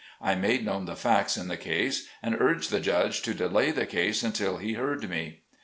I made known the facts in the case and urged the judge to delay the case until he heard me.